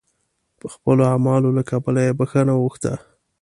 خپلو اعمالو له کبله یې بخښنه وغوښته.